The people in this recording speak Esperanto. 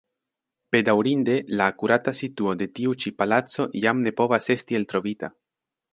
Bedaŭrinde la akurata situo de tiu ĉi palaco jam ne povas esti eltrovita.